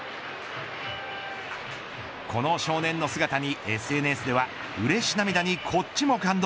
この少年の姿にＳＮＳではうれし涙にこっちも感動。